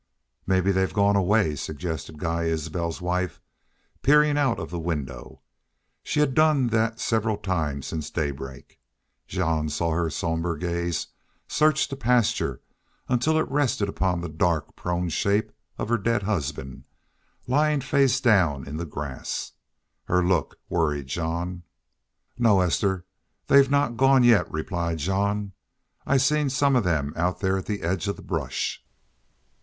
"Maybe they've gone away," suggested Guy Isbel's wife, peering out of the window. She had done that several times since daybreak. Jean saw her somber gaze search the pasture until it rested upon the dark, prone shape of her dead husband, lying face down in the grass. Her look worried Jean. "No, Esther, they've not gone yet," replied Jean. "I've seen some of them out there at the edge of the brush."